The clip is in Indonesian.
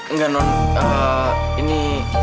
nggak non ini